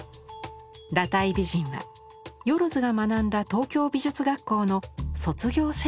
「裸体美人」は萬が学んだ東京美術学校の卒業制作でした。